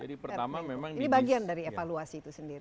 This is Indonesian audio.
ini bagian dari evaluasi itu sendiri